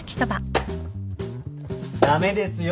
駄目ですよ